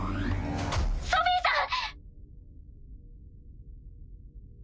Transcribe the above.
ソフィさん！